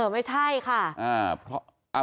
ไม่ใช่ค่ะ